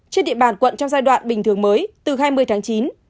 trên địa bàn quận trong giai đoạn bình thường mới từ hai mươi tháng chín